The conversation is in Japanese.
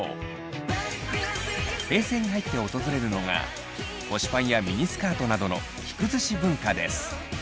平成に入って訪れるのが腰パンやミニスカートなどの着崩し文化です。